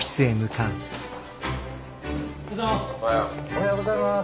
おはようございます。